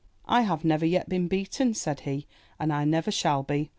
*T have never yet been beaten/' said he, ''and I never shall be.